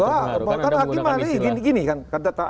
oh tidak karena hakim ada istilah